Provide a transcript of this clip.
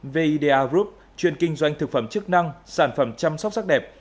vda group chuyên kinh doanh thực phẩm chức năng sản phẩm chăm sóc sắc đẹp